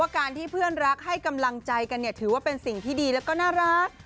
การที่เพื่อนรักให้กำลังใจกันเนี่ยถือว่าเป็นสิ่งที่ดีแล้วก็น่ารัก